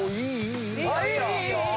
いいよ！